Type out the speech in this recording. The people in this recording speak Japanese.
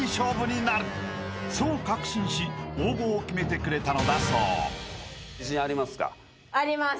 ［そう確信し応募を決めてくれたのだそう］